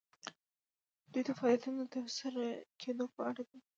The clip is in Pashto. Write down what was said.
دوی د فعالیتونو د ترسره کیدو په اړه دي.